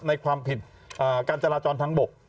ในความผิดการจราจรทางบก